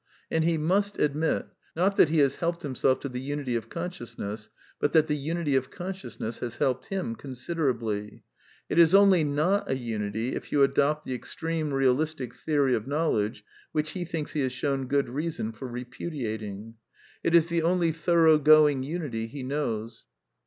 And he must admit, not that he has helped himself to the unity of conscious ness, but that the unity of consciousness has helped him considerably. It is only not a unity if you adopt the ex treme realistic theory of knowledge, which he thinks he has shown good reason for repudiating. It is the only f . CONCLUSIONS 297 thorough going unity he knows.